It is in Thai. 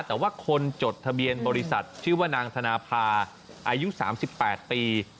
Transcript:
แต่ว่าคนจดทะเบียนบริษัทชื่อว่านางธนภาอายุ๓๘ปี